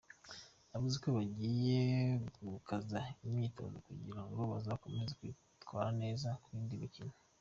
Yavuze ko bagiye gukaza imyotozo kugira ngo bazakomeza kwitwara neza mu yindi mikono.